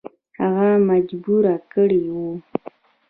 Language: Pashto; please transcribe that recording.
هغه مجبور کړی وو.